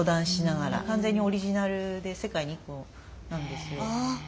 完全にオリジナルで世界に一個なんですよ。